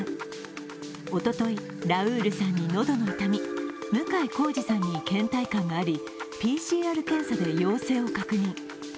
おととい、ラウールさんに喉の痛み向井康二さんにけん怠感があり、ＰＣＲ検査で陽性を確認。